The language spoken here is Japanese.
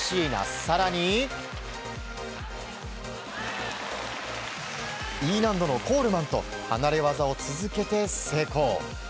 更に、Ｅ難度のコールセンターと離れ技を続けて成功。